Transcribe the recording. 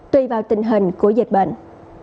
tùy vào tình hình của dịch bệnh